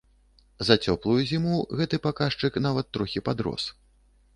За цёплую зіму гэты паказчык нават трохі падрос.